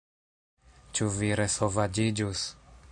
Ĉu vi resovaĝiĝus?